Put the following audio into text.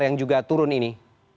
yang juga turun ini